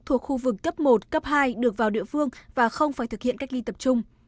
thuộc khu vực cấp một cấp hai được vào địa phương và không phải thực hiện cách ly tập trung